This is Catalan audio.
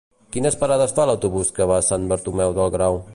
Quines parades fa l'autobús que va a Sant Bartomeu del Grau?